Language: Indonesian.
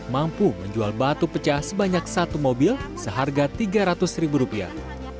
mampu menjual batu pecah sebanyak satu mobil seharga tiga ratus ribu rupiah